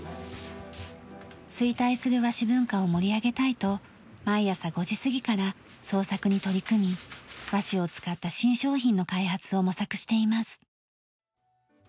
衰退する和紙文化を盛り上げたいと毎朝５時過ぎから創作に取り組み和紙を使った新商品の開発を模索しています。